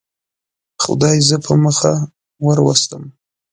خدای زه په مخه وروستم.